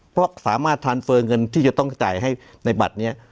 เพราะสามารถทานเฟอร์เงินที่จะต้องจ่ายให้ในบัตรนี้